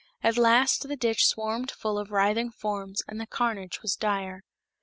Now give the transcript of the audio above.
At last the ditch swarmed full of writhing forms and the carnage was dire.